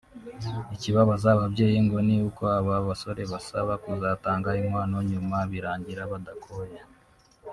Ikibabaza aba babyeyi ngo ni uko aba basore basaba kuzatanga inkwano nyuma birangira badakoye